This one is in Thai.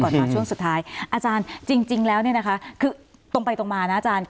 ก่อนมาช่วงสุดท้ายอาจารย์จริงแล้วคือตรงไปตรงมานะอาจารย์